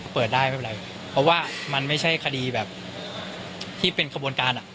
เปิดได้ไม่เป็นไรเพราะว่ามันไม่ใช่คดีแบบที่เป็นขบวนการอ่ะ